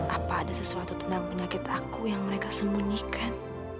apa ada sesuatu tentang penyakit aku yang mereka sembunyikan